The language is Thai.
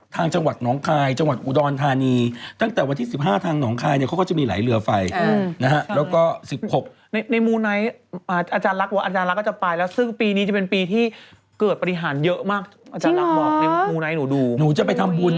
ทางจังหวัดน้องคลายจังหวัดอุดลธารหนะ